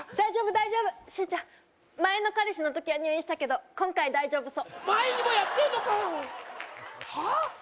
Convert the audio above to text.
大丈夫周ちゃん前の彼氏の時は入院したけど今回は大丈夫そう前にもやってんのかよはあっ？